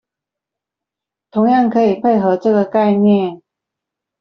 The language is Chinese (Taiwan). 同樣可以配合這個概念